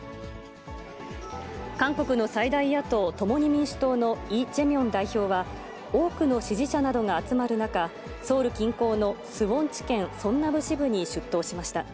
韓国の最大野党・共に民主党のイ・ジェミョン代表は、多くの支持者などが集まる中、ソウル近郊のスウォン地検ソンナム支部に出頭しました。